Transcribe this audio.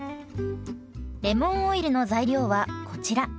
レモンオイルの材料はこちら。